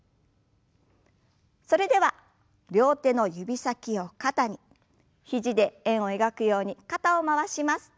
それでは両手の指先を肩に肘で円を描くように肩を回します。